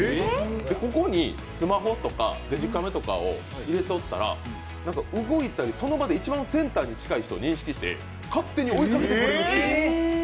ここにスマホとかデジカメとかを入れとったら、動いたりその場で一番センターに近い人を認識して勝手に追いかけているという。